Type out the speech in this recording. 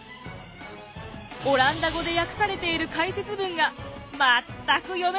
オランダ語で訳されている解説文が全く読めなかったのです。